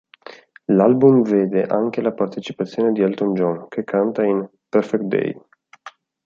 L'album vede anche la partecipazione di Elton John, che canta in "Perfect Day".